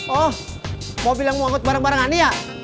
oh mobil yang mau angkat barang barang ini ya